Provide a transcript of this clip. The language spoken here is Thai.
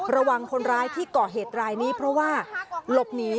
ระวังคนร้ายที่เกาะเหตุรายนี้